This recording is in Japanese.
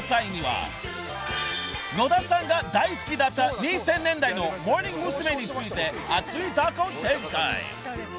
［野田さんが大好きだった２０００年代のモーニング娘。について熱いトークを展開］